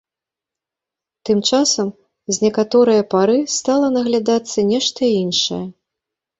Тым часам, з некаторае пары, стала наглядацца нешта іншае.